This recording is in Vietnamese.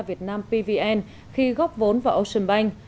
việt nam pvn khi góp vốn vào ocean bank